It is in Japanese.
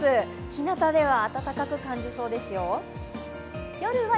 日なたでは暖かく感じますよ。